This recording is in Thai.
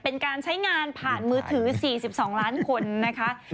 เป็นการใช้งานผ่านมือถือ๔๒ล้านคนนะคะ